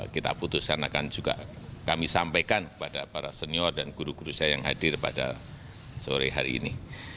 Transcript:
kita putuskan akan juga kami sampaikan kepada para senior dan guru guru saya yang hadir pada sore hari ini